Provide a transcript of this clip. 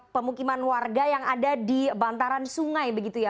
pemukiman warga yang ada di bantaran sungai begitu ya